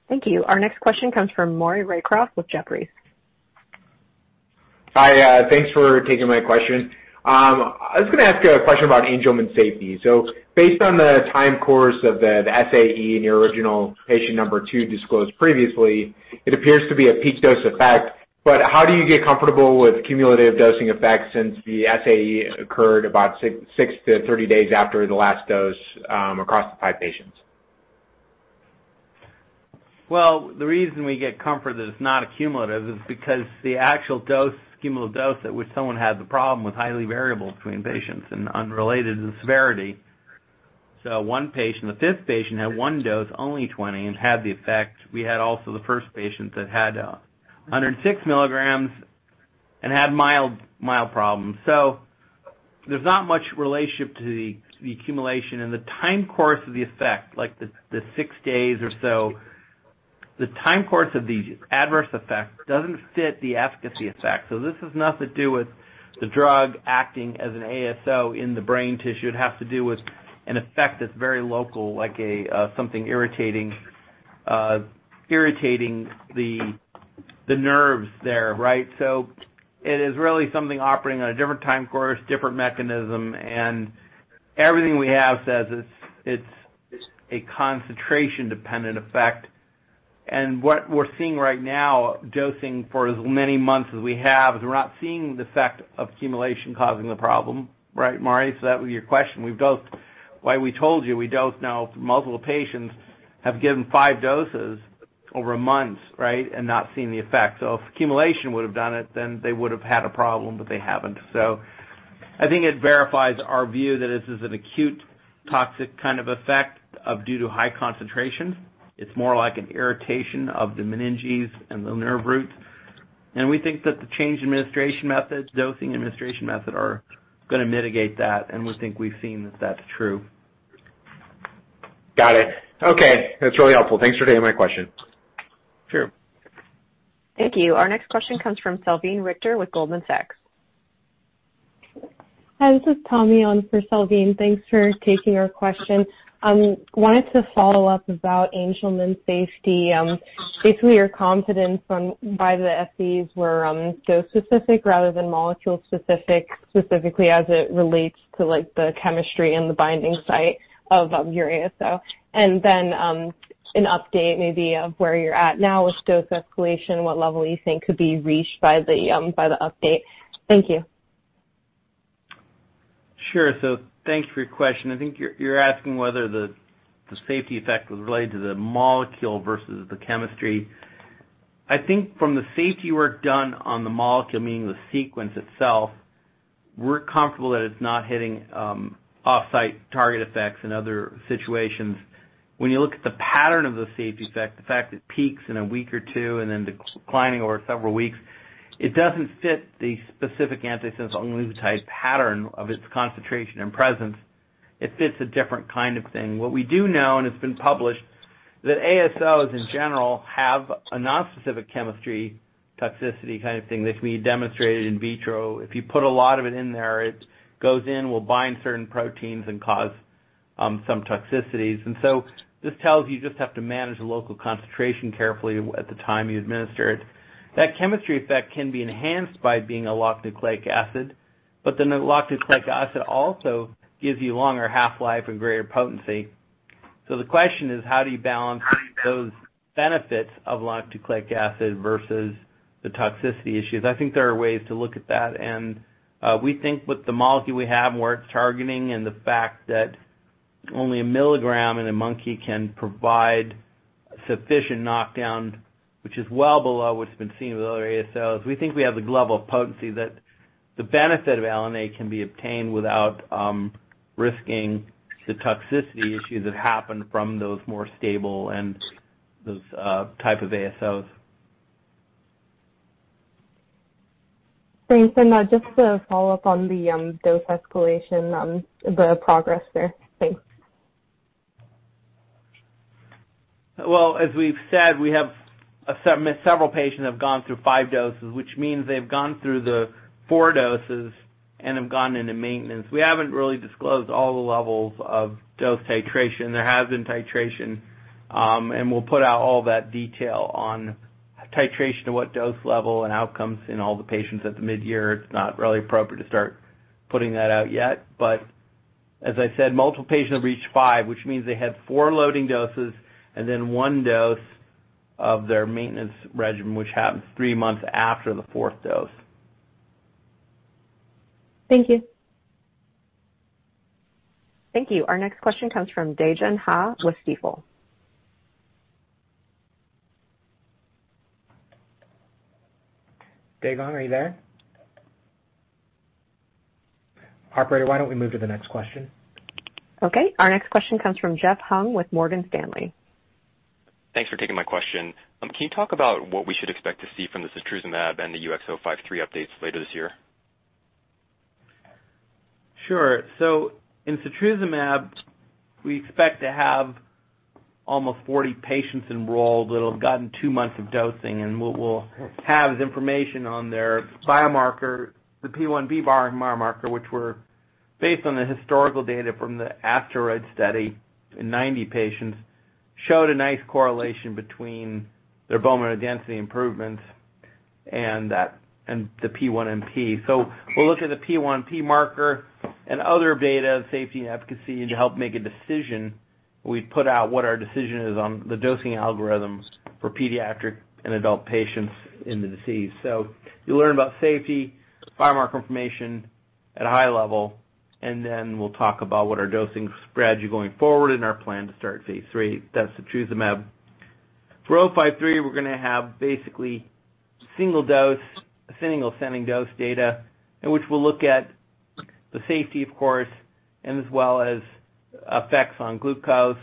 Thank you. Our next question comes from Maury Raycroft with Jefferies. Hi, thanks for taking my question. I was gonna ask a question about Angelman safety. Based on the time course of the SAE in your original patient number two disclosed previously, it appears to be a peak dose effect, but how do you get comfortable with cumulative dosing effects since the SAE occurred about six to 30 days after the last dose, across the five patients? Well, the reason we get comfort that it's not a cumulative is because the actual dose, cumulative dose at which someone had the problem was highly variable between patients and unrelated to the severity. One patient, the fifth patient, had one dose, only 20, and had the effect. We had also the first patient that had 106 mg and had mild problems. There's not much relationship to the accumulation and the time course of the effect, like the six days or so. The time course of the adverse effect doesn't fit the efficacy effect. This has nothing to do with the drug acting as an ASO in the brain tissue. It has to do with an effect that's very local, like something irritating the nerves there, right? It is really something operating on a different time course, different mechanism, and everything we have says it's a concentration-dependent effect. What we're seeing right now, dosing for as many months as we have, is we're not seeing the effect of accumulation causing the problem, right, Maury? That was your question. We've dosed. While we told you, we dose now multiple patients have given five doses over months, right, and not seen the effect. If accumulation would have done it, then they would have had a problem, but they haven't. I think it verifies our view that this is an acute toxic kind of effect due to high concentration. It's more like an irritation of the meninges and the nerve roots. We think that the change in administration methods, dosing administration method are gonna mitigate that, and we think we've seen that that's true. Got it. Okay. That's really helpful. Thanks for taking my question. Sure. Thank you. Our next question comes from Salveen Richter with Goldman Sachs. Hi, this is Tommy on for Salveen. Thanks for taking our question. Wanted to follow up about Angelman safety. Basically your confidence that the SAEs were dose specific rather than molecule specific, specifically as it relates to, like, the chemistry and the binding site of your ASO. An update maybe of where you're at now with dose escalation, what level you think could be reached by the update. Thank you. Sure. Thanks for your question. I think you're asking whether the safety effect was related to the molecule versus the chemistry. I think from the safety work done on the molecule, meaning the sequence itself, we're comfortable that it's not hitting off-site target effects in other situations. When you look at the pattern of the safety effect, the fact it peaks in a week or two and then declining over several weeks, it doesn't fit the specific antisense oligonucleotide pattern of its concentration and presence. It fits a different kind of thing. What we do know, and it's been published, that ASOs in general have a nonspecific chemistry toxicity kind of thing that we demonstrated in vitro. If you put a lot of it in there, it goes in, will bind certain proteins and cause some toxicities. This tells you just have to manage the local concentration carefully at the time you administer it. That chemistry effect can be enhanced by being a locked nucleic acid, but the locked nucleic acid also gives you longer half-life and greater potency. The question is, how do you balance those benefits of locked nucleic acid versus the toxicity issues? I think there are ways to look at that. We think with the molecule we have, where it's targeting and the fact that only a mg in a monkey can provide sufficient knockdown, which is well below what's been seen with other ASOs, we think we have the level of potency that the benefit of LNA can be obtained without risking the toxicity issues that happen from those more stable and those type of ASOs. Thanks. Just to follow up on the dose escalation, the progress there. Thanks. Well, as we've said, we have several patients have gone through five doses, which means they've gone through the four doses and have gone into maintenance. We haven't really disclosed all the levels of dose titration. There has been titration, and we'll put out all that detail on titration to what dose level and outcomes in all the patients at the midyear. It's not really appropriate to start putting that out yet. As I said, multiple patients have reached five, which means they had four loading doses and then one dose of their maintenance regimen, which happens three months after the fourth dose. Thank you. Thank you. Our next question comes from Dae Gon Ha with Stifel. Dae Gon, are you there? Operator, why don't we move to the next question? Okay. Our next question comes from Jeff Hung with Morgan Stanley. Thanks for taking my question. Can you talk about what we should expect to see from the setrusumab and the UX053 updates later this year? Sure. In setrusumab, we expect to have almost 40 patients enrolled that'll have gotten two months of dosing, and we'll have the information on their biomarker, the P1NP biomarker, which were based on the historical data from the ASTEROID study in 90 patients, showed a nice correlation between their bone mineral density improvements and that, and the P1NP. We'll look at the P1NP marker and other data, safety, and efficacy to help make a decision. We put out what our decision is on the dosing algorithms for pediatric and adult patients in the disease. You'll learn about safety, biomarker information at a high level, and then we'll talk about what our dosing strategy going forward and our plan to start phase III. That's setrusumab. For UX053, we're gonna have basically single dose, a single ascending dose data in which we'll look at the safety, of course, and as well as effects on glucose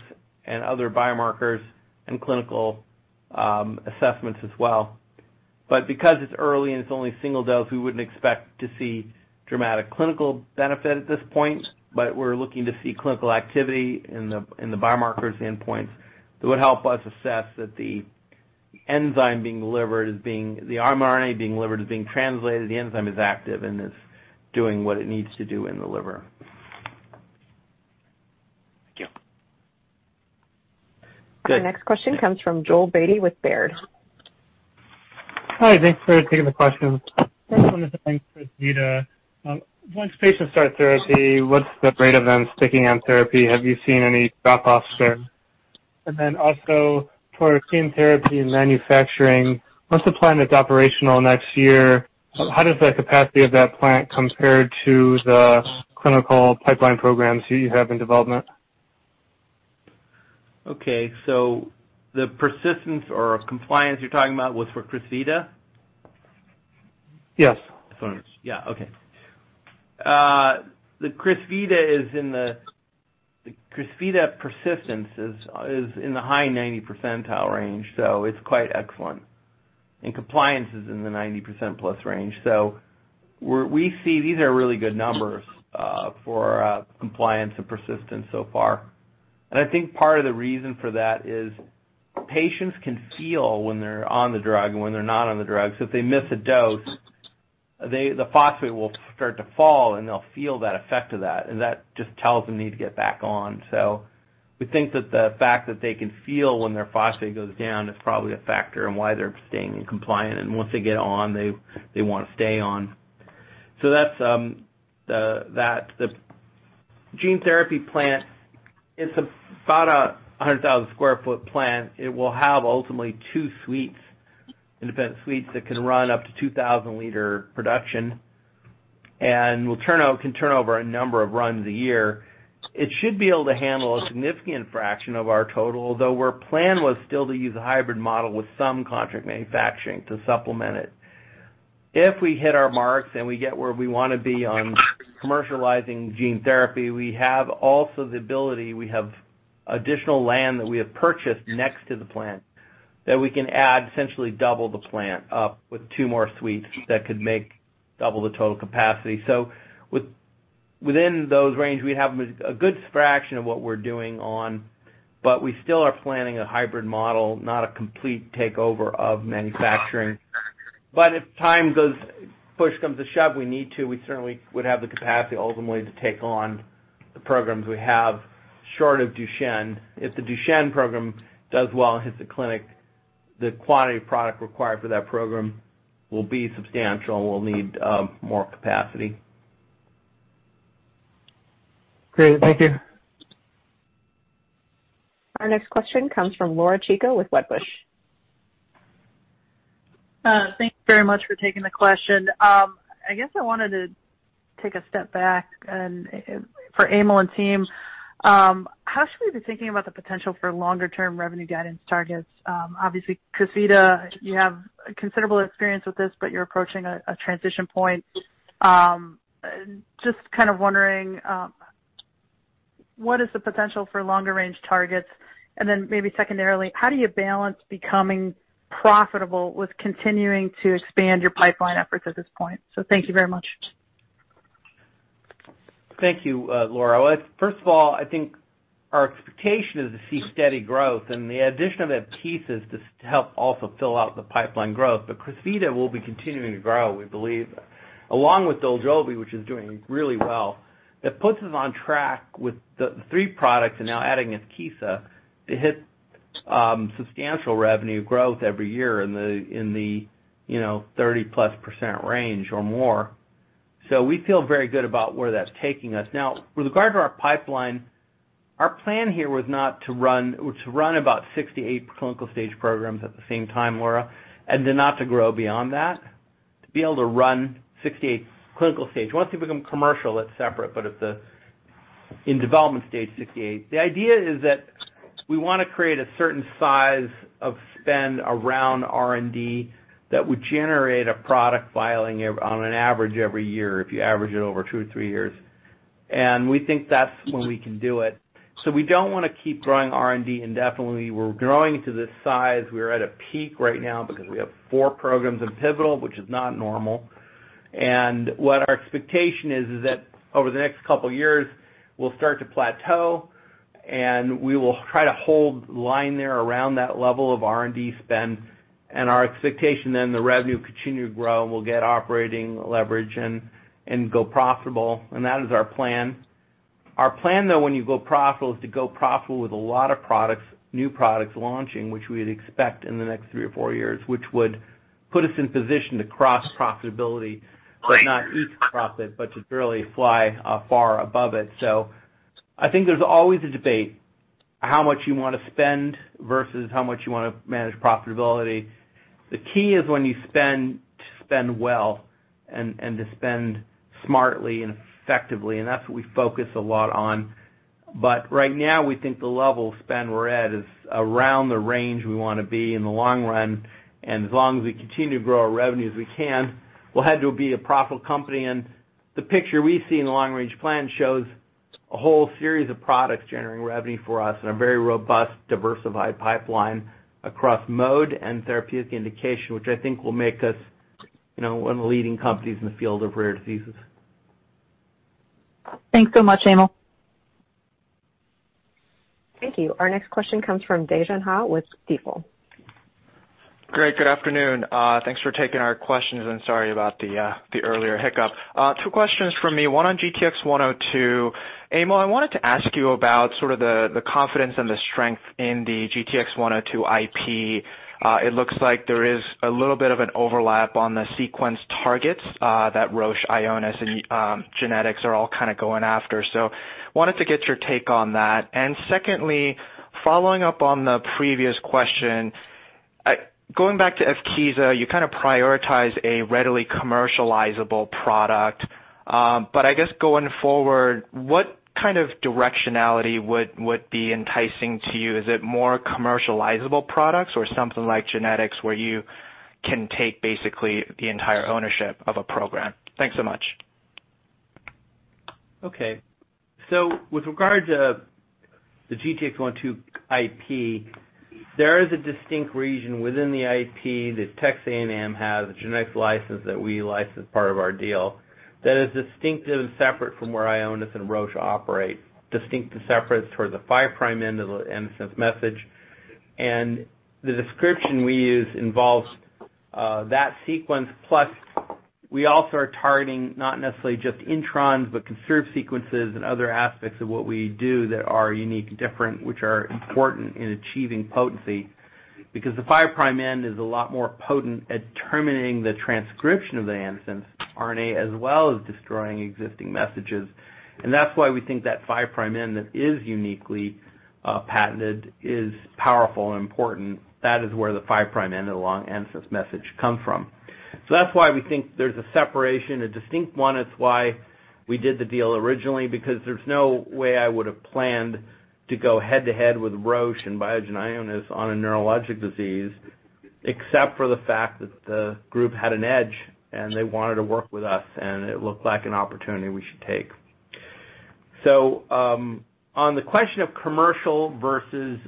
and other biomarkers and clinical assessments as well. Because it's early and it's only a single dose, we wouldn't expect to see dramatic clinical benefit at this point. We're looking to see clinical activity in the biomarkers endpoints that would help us assess that the mRNA being delivered is being translated, the enzyme is active, and is doing what it needs to do in the liver. Thank you. Good. The next question comes from Joel Beatty with Baird. Hi, thanks for taking the question. First one is on Crysvita. Once patients start therapy, what's the rate of them sticking on therapy? Have you seen any drop-off there? And then also for gene therapy and manufacturing, once the plant is operational next year, how does the capacity of that plant compare to the clinical pipeline programs you have in development? Okay. The persistence or compliance you're talking about was for Crysvita? Yes. The Crysvita persistence is in the high 90 percentile range, so it's quite excellent. Compliance is in the 90%+ range. We see these are really good numbers for compliance and persistence so far. I think part of the reason for that is patients can feel when they're on the drug and when they're not on the drug. If they miss a dose, the phosphate will start to fall, and they'll feel that effect of that, and that just tells them they need to get back on. We think that the fact that they can feel when their phosphate goes down is probably a factor in why they're staying compliant, and once they get on, they wanna stay on. That's the gene therapy plant. It's about 100,000 sq ft plant. It will have ultimately two suites, independent suites that can run up to 2,000-L production and can turn over a number of runs a year. It should be able to handle a significant fraction of our total, although our plan was still to use a hybrid model with some contract manufacturing to supplement it. If we hit our marks and we get where we wanna be on commercializing gene therapy, we have also the ability, we have additional land that we have purchased next to the plant that we can add, essentially double the plant up with two more suites that could make double the total capacity. Within those ranges, we have a good fraction of what we're doing in, but we still are planning a hybrid model, not a complete takeover of manufacturing. If push comes to shove, we certainly would have the capacity ultimately to take on the programs we have short of Duchenne. If the Duchenne program does well and hits the clinic, the quantity of product required for that program will be substantial, and we'll need more capacity. Great. Thank you. Our next question comes from Laura Chico with Wedbush. Thank you very much for taking the question. I guess I wanted to take a step back and, for Emil and team, how should we be thinking about the potential for longer-term revenue guidance targets? Obviously, Kakkis, you have considerable experience with this, but you're approaching a transition point. Just kind of wondering, what is the potential for longer-range targets? And then maybe secondarily, how do you balance becoming profitable with continuing to expand your pipeline efforts at this point? Thank you very much. Thank you, Laura. Well, first of all, I think our expectation is to see steady growth and the addition of Evkeeza is to help also fill out the pipeline growth. Crysvita will be continuing to grow, we believe, along with Dojolvi, which is doing really well. That puts us on track with the three products and now adding Evkeeza to hit substantial revenue growth every year in the, you know, 30%+ range or more. We feel very good about where that's taking us. Now with regard to our pipeline, our plan here was to run about 68 clinical stage programs at the same time, Laura, and then not to grow beyond that, to be able to run 68 clinical stage programs. Once you become commercial, it's separate, but in development stage 68. The idea is that we wanna create a certain size of spend around R&D that would generate a product filing on an average every year if you average it over two or three years. We think that's when we can do it. We don't wanna keep growing R&D indefinitely. We're growing to this size. We're at a peak right now because we have four programs in pivotal, which is not normal. What our expectation is that over the next couple of years, we'll start to plateau, and we will try to hold line there around that level of R&D spend. Our expectation then the revenue continue to grow, and we'll get operating leverage and go profitable. That is our plan. Our plan, though, when you go profitable, is to go profitable with a lot of products, new products launching, which we would expect in the next three or four years, which would put us in position to cross profitability, but not each profit, but to really fly far above it. I think there's always a debate how much you wanna spend versus how much you wanna manage profitability. The key is when you spend, to spend well and to spend smartly and effectively, and that's what we focus a lot on. Right now, we think the level of spend we're at is around the range we wanna be in the long run. As long as we continue to grow our revenue as we can, we'll have to be a profitable company. The picture we see in the long range plan shows a whole series of products generating revenue for us in a very robust, diversified pipeline across mode and therapeutic indication, which I think will make us, you know, one of the leading companies in the field of rare diseases. Thanks so much, Emil. Thank you. Our next question comes from Dae Gon Ha with Stifel. Great. Good afternoon. Thanks for taking our questions, and sorry about the earlier hiccup. Two questions from me, one on GTX-102. Emil, I wanted to ask you about sort of the confidence and the strength in the GTX-102 IP. It looks like there is a little bit of an overlap on the sequence targets that Roche, Ionis and GeneTx are all kinda going after. Wanted to get your take on that. Secondly, following up on the previous question, going back to acquisition, you kinda prioritize a readily commercializable product. I guess going forward, what kind of directionality would be enticing to you? Is it more commercializable products or something like GeneTx where you can take basically the entire ownership of a program? Thanks so much. Okay. With regard to the GTX-102 IP, there is a distinct region within the IP that Texas A&M has, the genetics license that we licensed part of our deal, that is distinctive and separate from where Ionis and Roche operate, distinctive and separate toward the five prime end of the sense message. The description we use involves that sequence, plus we also are targeting not necessarily just introns, but conserved sequences and other aspects of what we do that are unique and different, which are important in achieving potency. Because the five prime end is a lot more potent at terminating the transcription of the antisense RNA as well as destroying existing messages. That's why we think that five prime end that is uniquely patented is powerful and important. That is where the five prime end and the long antisense message come from. That's why we think there's a separation, a distinct one. It's why we did the deal originally, because there's no way I would have planned to go head-to-head with Roche and Biogen, Ionis on a neurologic disease, except for the fact that the group had an edge, and they wanted to work with us, and it looked like an opportunity we should take. On the question of commercial versus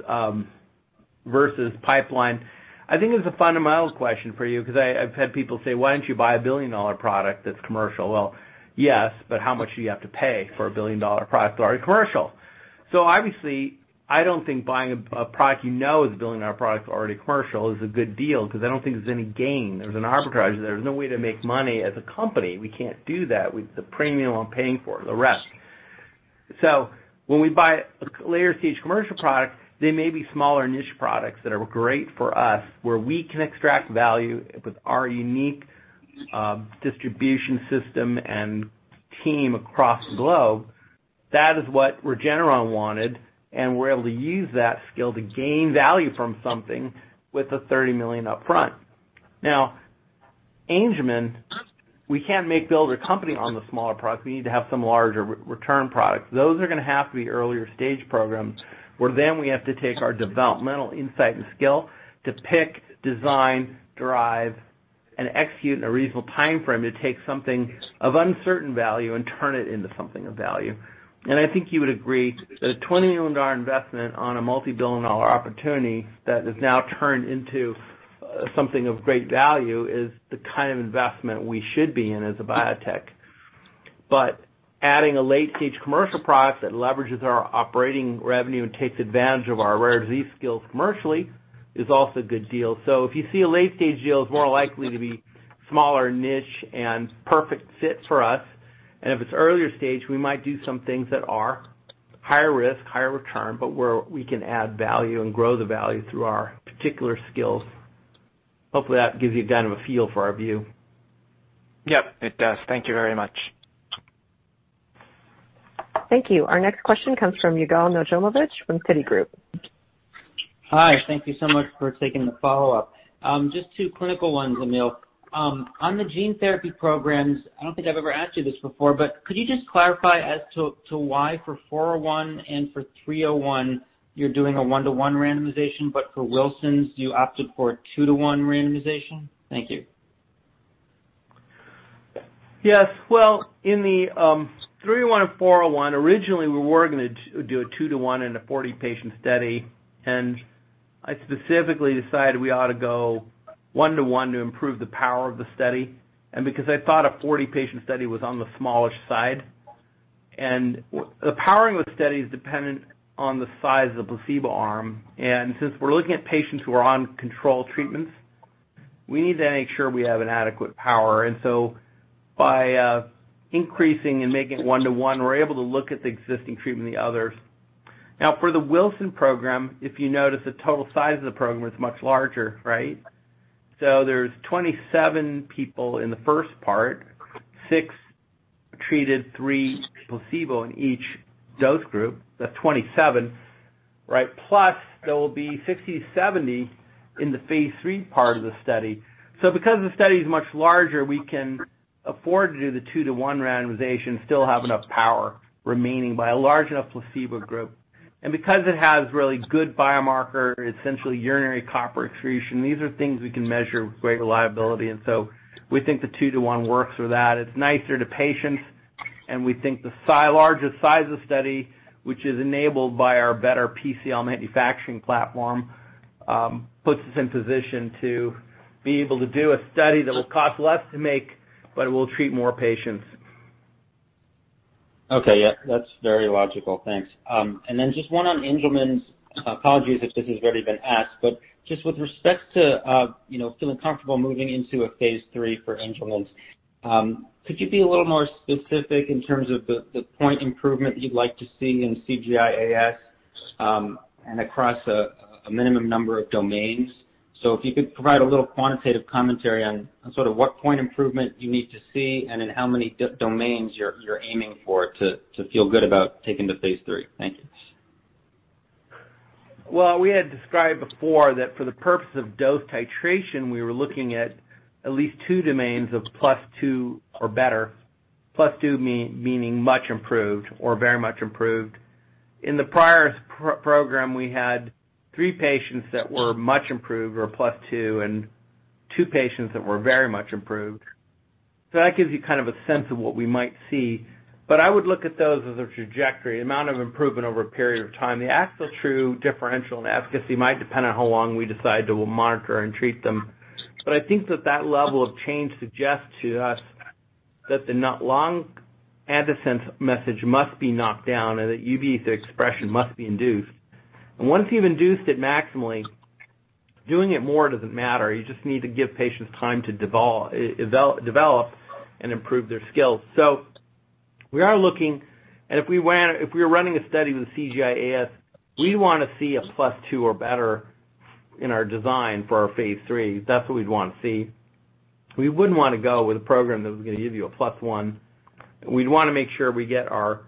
pipeline, I think it's a fundamental question for you 'cause I've had people say, "Why don't you buy a billion-dollar product that's commercial?" Well, yes, but how much do you have to pay for a billion-dollar product that's already commercial? Obviously, I don't think buying a product you know is a billion-dollar product, already commercial, is a good deal 'cause I don't think there's any gain. There's an arbitrage there. There's no way to make money as a company. We can't do that with the premium I'm paying for it, the rest. When we buy a later-stage commercial product, they may be smaller niche products that are great for us, where we can extract value with our unique distribution system and team across the globe. That is what Regeneron wanted, and we're able to use that skill to gain value from something with the $30 million upfront. Now, Angelman, we can't make or build a company on the smaller products. We need to have some larger return products. Those are gonna have to be earlier-stage programs, where then we have to take our developmental insight and skill to pick, design, drive, and execute in a reasonable timeframe to take something of uncertain value and turn it into something of value. I think you would agree that a $20 million investment on a multi-billion-dollar opportunity that has now turned into something of great value is the kind of investment we should be in as a biotech. Adding a late-stage commercial product that leverages our operating revenue and takes advantage of our rare disease skills commercially is also a good deal. If you see a late-stage deal, it's more likely to be smaller niche and perfect fit for us. If it's earlier stage, we might do some things that are higher risk, higher return, but where we can add value and grow the value through our particular skills. Hopefully, that gives you kind of a feel for our view. Yep, it does. Thank you very much. Thank you. Our next question comes from Yigal Nochomovitz from Citigroup. Hi. Thank you so much for taking the follow-up. Just two clinical ones, Emil. On the gene therapy programs, I don't think I've ever asked you this before, but could you just clarify as to why for 401 and 301, you're doing a 1-to-1 randomization, but for Wilson's, you opted for a 2-to-1 randomization? Thank you. Yes. Well, in the DTX-301 and DTX-401, originally, we were gonna do a 2:1 in a 40-patient study, and I specifically decided we ought to go 1:1 to improve the power of the study and because I thought a 40-patient study was on the smaller side. The powering of the study is dependent on the size of the placebo arm, and since we're looking at patients who are on control treatments, we need to make sure we have an adequate power. By increasing and making it 1:1, we're able to look at the existing treatment than the others. Now, for the Wilson program, if you notice, the total size of the program was much larger, right? There's 27 people in the first part, six treated, three placebo in each dose group. That's 27, right? Plus, there will be 60, 70 in the phase III part of the study. Because the study is much larger, we can afford to do the 2-to-1 randomization, still have enough power remaining by a large enough placebo group. Because it has really good biomarker, essentially urinary copper excretion, these are things we can measure with great reliability. We think the 2-to-1 works for that. It's nicer to patients, and we think the larger size of study, which is enabled by our better PCL manufacturing platform, puts us in position to be able to do a study that will cost less to make, but it will treat more patients. Okay. Yeah. That's very logical. Thanks. Then just one on Angelman's. Apologies if this has already been asked, but just with respect to, you know, feeling comfortable moving into a phase III for Angelman's, could you be a little more specific in terms of the point improvement you'd like to see in CGI-AS, and across a minimum number of domains? If you could provide a little quantitative commentary on sort of what point improvement you need to see and in how many domains you're aiming for to feel good about taking to phase III. Thank you. Well, we had described before that for the purpose of dose titration, we were looking at least two domains of plus two or better. Plus two meaning much improved or very much improved. In the prior program, we had three patients that were much improved or plus two, and two patients that were very much improved. That gives you kind of a sense of what we might see. I would look at those as a trajectory, amount of improvement over a period of time. The actual true differential in efficacy might depend on how long we decide to monitor and treat them. I think that level of change suggests to us that the not long antisense message must be knocked down and that UBE3A expression must be induced. Once you've induced it maximally, doing it more doesn't matter. You just need to give patients time to develop and improve their skills. We are looking. If we were running a study with CGI-AS, we'd wanna see a +2 or better in our design for our phase III. That's what we'd wanna see. We wouldn't wanna go with a program that was gonna give you a +1. We'd wanna make sure we get our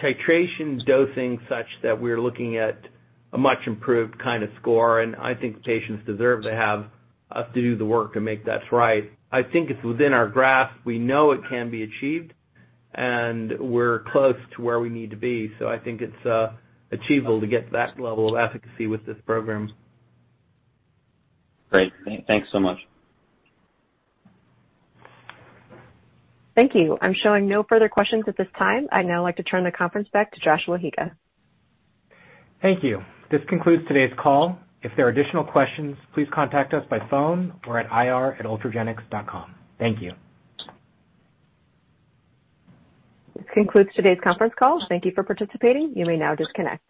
titration dosing such that we're looking at a much improved kinda score, and I think patients deserve to have us do the work and make that right. I think it's within our grasp. We know it can be achieved, and we're close to where we need to be. I think it's achievable to get to that level of efficacy with this program. Great. Thanks so much. Thank you. I'm showing no further questions at this time. I'd now like to turn the conference back to Joshua Higa. Thank you. This concludes today's call. If there are additional questions, please contact us by phone or at ir@ultragenyx.com. Thank you. This concludes today's conference call. Thank you for participating. You may now disconnect.